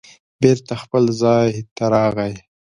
بېرته خپل ځای ته راغی